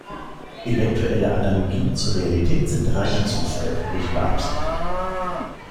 Eventuelle Analogien zur Realität sind reiner Zufall und nicht beabsichtigt.